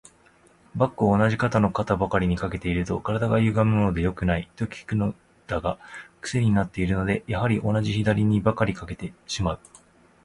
バッグを同じ方の肩ばかりに掛けていると、体がゆがむので良くない、と聞くのだが、クセになっているので、やはり同じ左にばかり掛けてしまう。